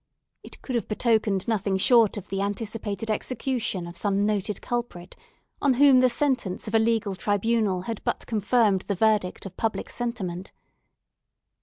It could have betokened nothing short of the anticipated execution of some noted culprit, on whom the sentence of a legal tribunal had but confirmed the verdict of public sentiment.